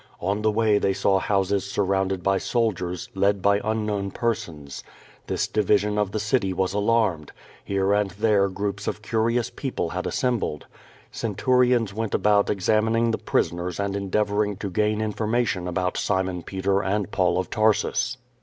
On the way they saw houses suiTOunded by soldiers, led by unknown persons. This divis ion of the city was alarmed. Here and there groups of cur ious people had assembled. Centurions went about examin ing the prisoners and endeavoring to gain information about Simon Peter and Paul of Tarsus.